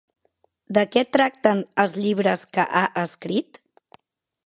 De què tracten els llibres que ha escrit?